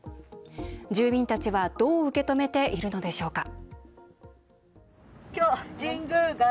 住民たちはどう受け止めているのでしょうか。